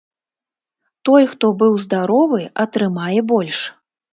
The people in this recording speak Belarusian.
Той, хто быў здаровы, атрымае больш.